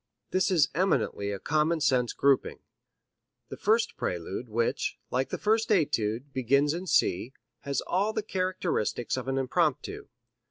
This is eminently a common sense grouping. The first prelude, which, like the first etude, begins in C, has all the characteristics of an impromptu.